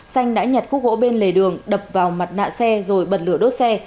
xanh đã nhặt khúc gỗ bên lề đường đập vào mặt nạ xe rồi bật lửa đốt xe